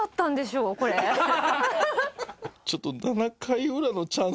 ちょっと７回ウラのチャンスもらえ